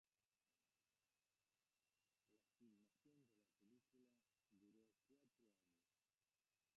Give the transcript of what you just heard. La filmación de la película duró cuatro años.